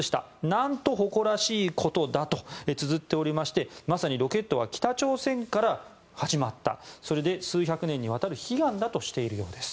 何と誇らしいことだとつづっておりましてまさにロケットは北朝鮮から始まったそれで数百年にわたる悲願だとしているようです。